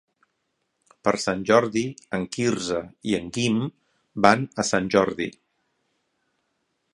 Per Sant Jordi en Quirze i en Guim van a Sant Jordi.